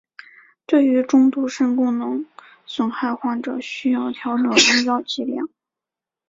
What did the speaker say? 对于中度肾功能损害患者需要调整用药剂量。